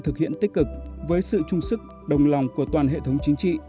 thực hiện tích cực với sự trung sức đồng lòng của toàn hệ thống chính trị